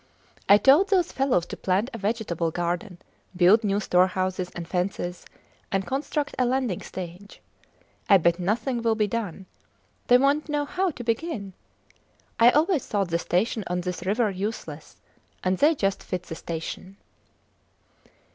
I told those fellows to plant a vegetable garden, build new storehouses and fences, and construct a landing stage. I bet nothing will be done! They wont know how to begin. I always thought the station on this river useless, and they just fit the station!